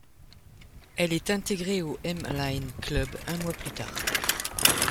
Elle est intégrée au M-line club un mois plus tard.